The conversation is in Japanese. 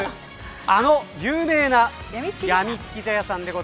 あの有名なやみつき茶屋さんです。